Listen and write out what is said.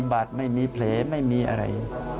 บัตรไม่มีเพลไม่มีอะไร